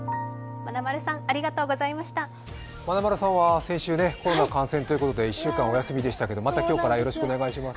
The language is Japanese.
まなまるさんは先週コロナ感染ということで１週間お休みでしたけれどもまた今日からよろしくお願いします。